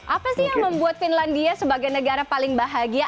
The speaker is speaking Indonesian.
apa sih yang membuat finlandia sebagai negara paling bahagia